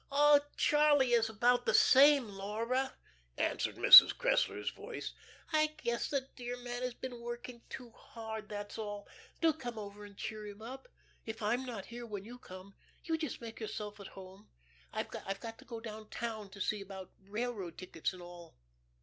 "Oh, Charlie is about the same, Laura," answered Mrs. Cressler's voice. "I guess the dear man has been working too hard, that's all. Do come over and cheer him up. If I'm not here when you come, you just make yourself at home. I've got to go down town to see about railroad tickets and all.